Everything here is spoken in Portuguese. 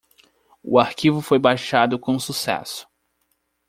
O arquivo foi baixado com sucesso.